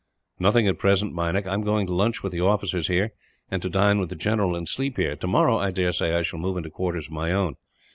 "Nothing, at present, Meinik. I am going to lunch with the officers here, and to dine with the general, and sleep here. Tomorrow I daresay I shall move into quarters of my own.